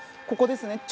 ここですね。